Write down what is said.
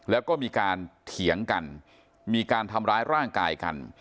แล้วก็มีการเถียงกันมีการทำร้ายร่างกายกัน